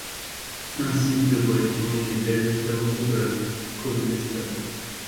Ainsy debvoyent finer les belles amours de la connestable.